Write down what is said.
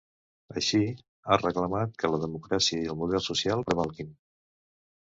Així, ha reclamat que “la democràcia i el model social” prevalguin.